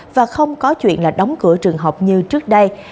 và không có chuyện là đóng cửa trường học như trước đây